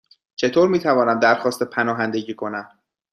چطور می توانم درخواست پناهندگی کنم؟